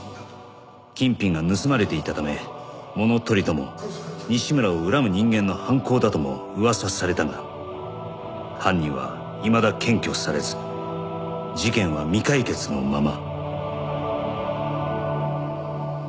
金品が盗まれていたため物取りとも西村を恨む人間の犯行だとも噂されたが犯人はいまだ検挙されず事件は未解決のまま